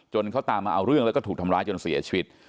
เขาตามมาเอาเรื่องแล้วก็ถูกทำร้ายจนเสียชีวิต